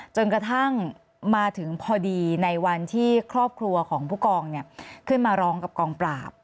จนกระทั่งมาถึงพอดีในวันที่ครอบครัวของผู้กองขึ้นมาร้องกับกองปราบ